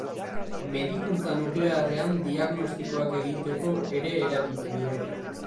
Medikuntza nuklearrean diagnostikoak egiteko ere erabiltzen dira.